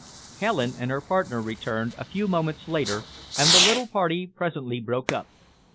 Helen and her partner returned, a few moments later, and the little party presently broke up.